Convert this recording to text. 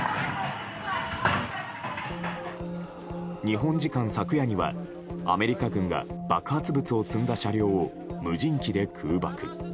日本時間昨夜には、アメリカ軍が爆発物を積んだ車両を無人機で空爆。